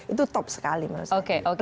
itu top sekali menurut saya